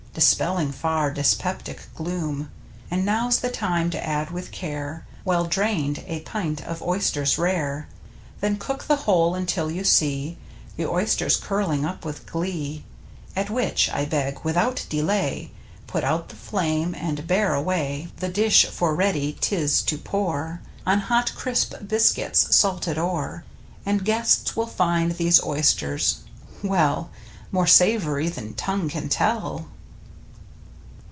Dispelling far dyspeptic gloom. And now's the time to add with care — Well drained — a pint of oysters rare. Then cook the whole until you see The oysters curhng up with glee, At which, I beg, without delay Put out the flame, and bear away I The dish, for ready 'tis to pour J ]^ 79 ^J^ 5^ MH^mttr Mtttipt^ Vp On hot, crisp biscuits salted o'er. And guests will find these oysters — Well, More savory than tongue can tell!